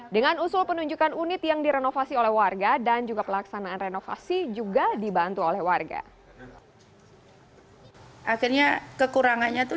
dengan usul penunjukan unit yang direnovasi oleh warga dan juga pelaksanaan renovasi juga dibantu oleh warga